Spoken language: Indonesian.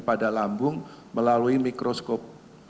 pada lambung melalui mikroskop